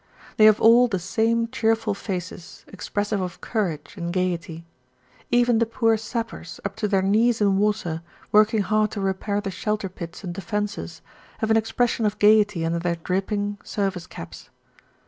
They have all the same cheerful faces, expressive of courage and gaiety. Even the poor sappers, up to their knees in water, working hard to repair the shelter pits and defences, have an expression of gaiety under their dripping service caps.